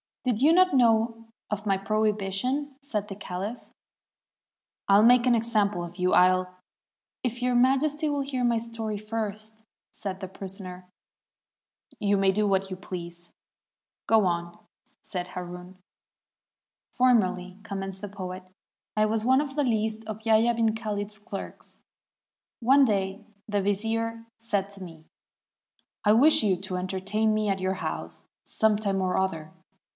"Did you not know of my prohibition?" said the caUph. "I'll make an example of you; I'll —" "If Your Majesty will hear my story first," said the prisoner, "you may do what you please." " Go on," said Haroun. "Formerly," commenced the poet, "I was one of the least of Yahya 'bn Khalid's clerks. One day the vizier said to me, 'I wish you to entertain me at your house some time or other.'